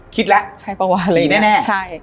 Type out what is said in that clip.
คิดแล้วใช่ปะว่า